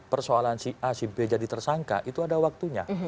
persoalan si a si b jadi tersangka itu ada waktunya